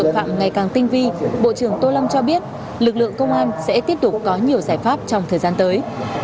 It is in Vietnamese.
phạm ngày càng tinh vi bộ trưởng tô lâm cho biết lực lượng công an sẽ tiếp tục có nhiều giải pháp trong thời gian tới